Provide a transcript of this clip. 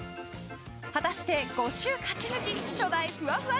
果たして５週勝ち抜き初代ふわふわ